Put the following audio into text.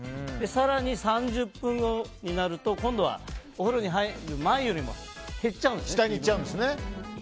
更に、３０分後になると今度は今度は、お風呂に入る前よりも減っちゃうんですね。